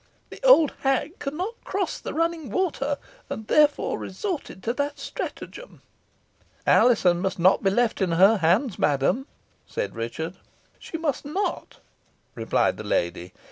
The old hag could not cross the running water, and therefore resorted to that stratagem." "Alizon must not be left in her hands, madam," said Richard. "She must not," replied the lady.